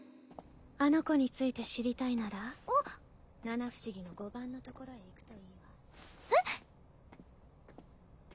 あの子について知りたいならあっ七不思議の五番のところへ行くといいわえっ？